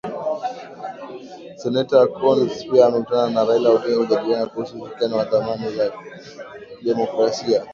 Seneta Coons pia amekutana na Raila Odinga kujadiliana kuhusu ushirikiano wa thamini za kidemokrasia